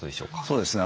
そうですね。